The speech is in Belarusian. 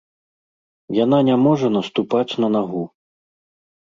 Яна не можа наступаць на нагу.